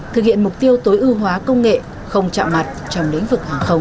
thực hiện mục tiêu tối ưu hóa công nghệ không chạm mặt trong lĩnh vực hàng không